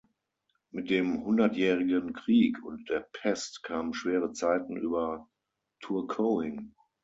Mit dem hundertjährigen Krieg und der Pest kamen schwere Zeiten über Tourcoing.